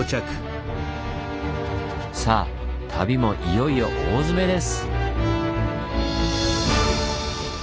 さあ旅もいよいよ大詰めです！